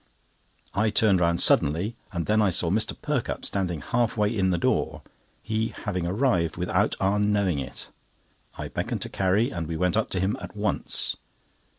I turned round suddenly, and then I saw Mr. Perkupp standing half way in the door, he having arrived without our knowing it. I beckoned to Carrie, and we went up to him at once.